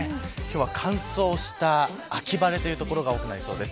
今日は乾燥した秋晴れという所が多くなりそうです。